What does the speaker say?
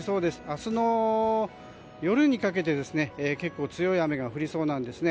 明日の夜にかけて結構、強い雨が降りそうなんです。